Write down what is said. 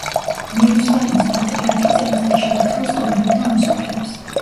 იერუსალიმის პატრიარქი წელიწადში ერთხელ სტუმრობდა ამ სოფლებს.